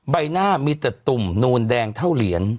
ใบหน้ามีแต่ตุ่มนูนแดงเท่าเหรียญ